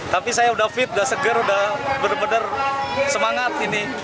tapi saya udah fit udah seger udah bener bener semangat ini